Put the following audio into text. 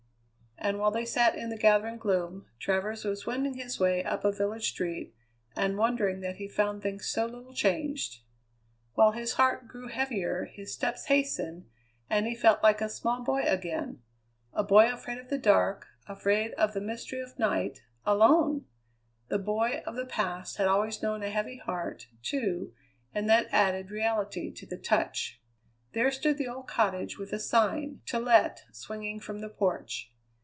And while they sat in the gathering gloom, Travers was wending his way up a village street, and wondering that he found things so little changed. While his heart grew heavier, his steps hastened, and he felt like a small boy again a boy afraid of the dark, afraid of the mystery of night alone! The boy of the past had always known a heavy heart, too, and that added reality to the touch. There stood the old cottage with a sign "To Let" swinging from the porch.